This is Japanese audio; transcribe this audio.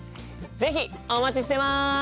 是非お待ちしてます！